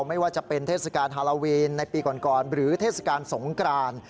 ไม่ว่าจะเป็นเทศกาลฮาลาวีนในปีก่อนหรือเทศกาลสงกราน